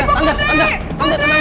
tante tante tante